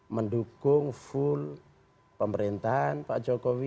mendukung full pemerintahan pak jokowi